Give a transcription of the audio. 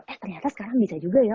eh ternyata sekarang bisa juga ya